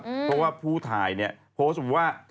เพราะว่าผู้ถ่ายเนี่ยโพสต์ว่า